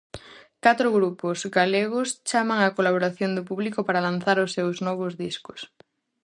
Catro grupos galegos chaman á colaboración do público para lanzar os seus novos discos.